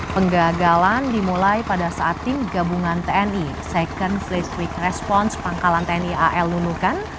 penggagalan dimulai pada saat tim gabungan tni second flex week response pangkalan tni al lunukan